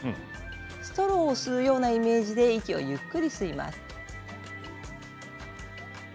ストローを吸うようなイメージで息をゆっくり吸います。